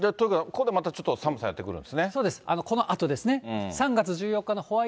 ここでちょっと寒さやって来るんですね。